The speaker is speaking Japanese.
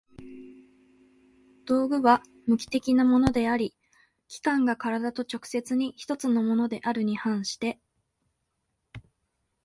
道具は無機的なものであり、器宮が身体と直接に一つのものであるに反して